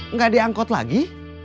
nggak diangkut lagi